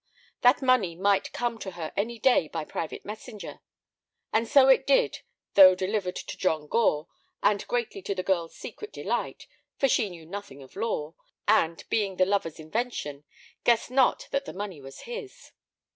That money might come to her any day by private messenger, and so it did, though delivered to John Gore, and greatly to the girl's secret delight, for she knew nothing of law, and, believing the lover's invention, guessed not that the money was his.